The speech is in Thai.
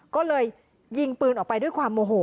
ก็เลยยิงปืนออกไปด้วยความโมโห